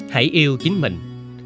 hãy yêu chính mình